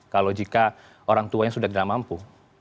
kalau jika orang tuanya sudah tidak mampu